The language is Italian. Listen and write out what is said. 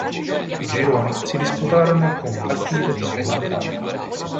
I gironi si disputarono con partite di sola andata.